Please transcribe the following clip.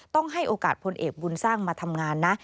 ต้องให้โอกาสพลเอกบุญสร้างมาทำงานนะ